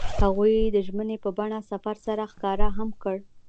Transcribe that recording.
هغوی د ژمنې په بڼه سفر سره ښکاره هم کړه.